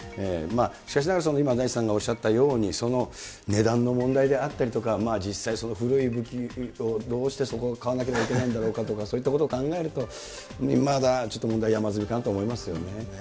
しかしながら、今、大地さんがおっしゃったように、その値段の問題であったりとか、実際、古い武器をどうしてそこ、買わなければいけないんだろうかと、そういったことを考えると、まだちょっと問題山積みかなと思いますよね。